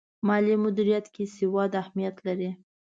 مالي مدیریت کې سواد اهمیت لري.